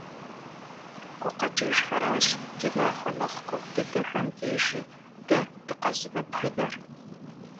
ГукъэкӀыжхэращ ди махуэ нэхъ гугъу дыдэхэм дежи дэ дыкъэзымыбгынэр.